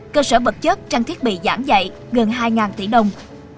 cơ sở vật chất trang thiết bị giảng dạy gần hai tỷ đồng